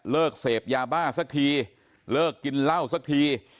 เสพยาบ้าสักทีเลิกกินเหล้าสักที